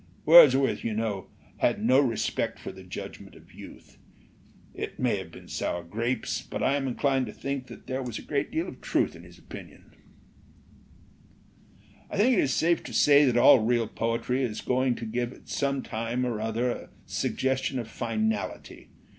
Wordsworth, you know, had no respect for the judgment of youth. It may have been sour grapes, but I am inclined to think that there was a great deal of truth in his opinion. 268 NEW DEFINITION OF POETRY "I think it is safe to say that all real poetry is going to give at some time or other a suggestion of finality.